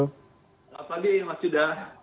selamat pagi mas yuda